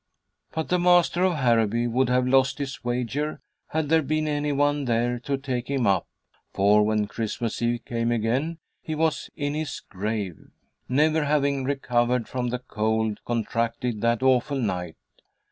But the master of Harrowby would have lost his wager had there been any one there to take him up, for when Christmas Eve came again he was in his grave, never having recovered from the cold contracted that awful night.